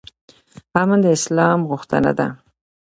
امن د اسلام غوښتنه ده